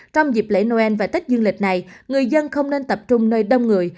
trong dịp lễ noel và tết dương lịch này người dân không nên tập trung nơi đông người